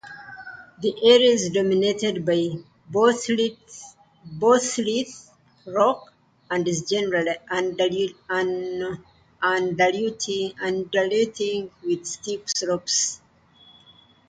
The area is dominated by batholith rock and is generally undulating with steep slopes.